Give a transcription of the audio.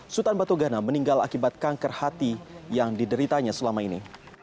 sultan batu gana meninggal akibat kanker hati yang dideritanya selama ini